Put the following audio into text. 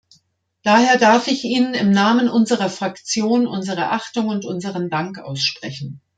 Daher darf ich Ihnen im Namen unserer Fraktion unsere Achtung und unseren Dank aussprechen.